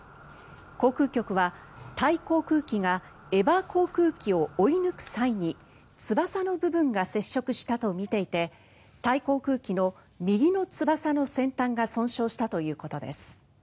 航空局はタイ航空機がエバー航空機を追い抜く際に翼の部分が接触したとみていてタイ航空機の右の翼の先端が損傷したということです。